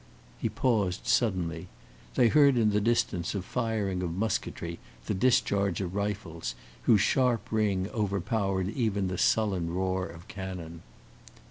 He paused suddenly. They heard in the distance a firing of musketry, the discharge of rifles, whose sharp ring overpowered even the sullen roar of cannon.